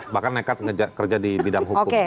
bahkan nekat kerja di bidang hukum